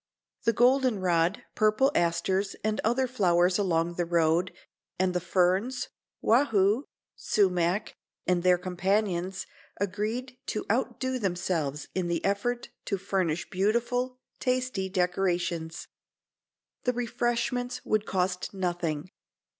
The golden rod, purple asters and other flowers along the road and the ferns, wahoo, sumac and their companions agreed to outdo themselves in the effort to furnish beautiful, tasty decorations. The refreshments would cost nothing.